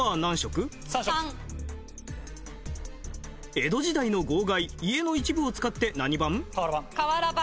江戸時代の号外家の一部を使って何版？瓦版。